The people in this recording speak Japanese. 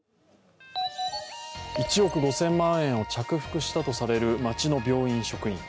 １億５０００万円を着服したとされる町の病院職員。